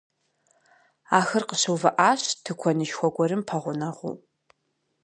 Ахэр къыщыувыӏащ тыкуэнышхуэ гуэрым пэгъунэгъуу.